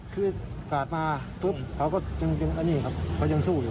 คือกาดมาปุ๊บเขาก็ยังอันนี้ครับเขายังสู้อยู่